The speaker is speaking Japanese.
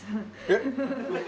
えっ？